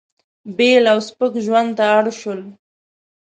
بېل او سپک ژوند ته اړ شول.